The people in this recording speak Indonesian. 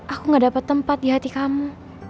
aku gak dapat tempat di hati kamu